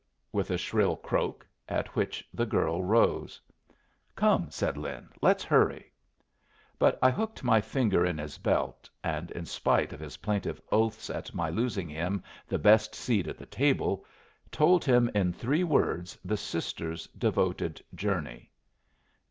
with a shrill croak, at which the girl rose. "Come!" said Lin, "let's hurry!" But I hooked my fingers in his belt, and in spite of his plaintive oaths at my losing him the best seat at the table, told him in three words the sister's devoted journey.